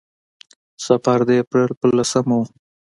سفر د اپرېل په لسمه و.